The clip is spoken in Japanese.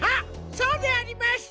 そうであります！